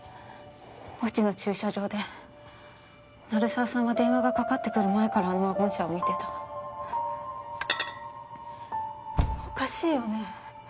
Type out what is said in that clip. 墓地の駐車場で鳴沢さんは電話がかかってくる前からあのワゴン車を見てたおかしいよね